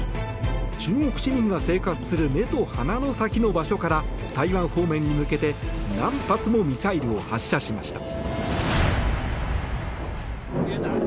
中国市民が生活する目と鼻の先の場所から台湾方面に向けて何発もミサイルを発射しました。